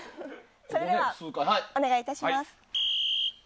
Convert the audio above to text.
それでは、お願い致します。